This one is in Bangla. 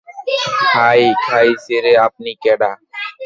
হাই খাইছেরে, আপনি কেডা?